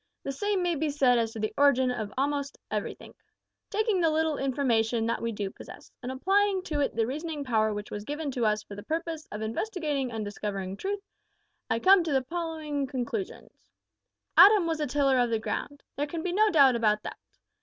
The same may be said as to the origin of a'most everythink. Taking the little information that we do possess, and applying to it the reasoning power which was given to us for the purpose of investigatin' an' discoverin' truth, I come to the following conclusions: "Adam was a tiller of the ground. There can be no doubt about that.